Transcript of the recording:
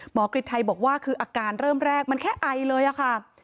กฤทัยบอกว่าคืออาการเริ่มแรกมันแค่ไอเลยค่ะ